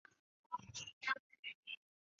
于崇祯年间上任福建巡抚。